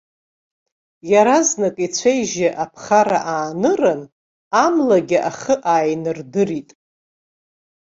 Иаразнак ицәа-ижьы аԥхара аанырын, амлагьы ахы ааинардырит.